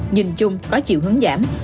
nhìn chung có chiều hướng giảm